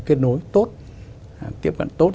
kết nối tốt tiếp cận tốt